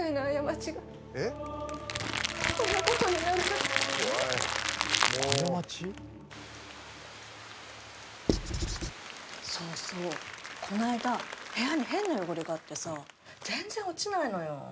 こんなことになるなんてそうそうこないだ部屋に変な汚れがあってさ全然落ちないのよ